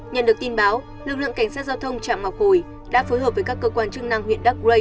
nhận được tin báo lực lượng cảnh sát giao thông trạm ngọc hồi đã phối hợp với các cơ quan chức năng huyện đắc lây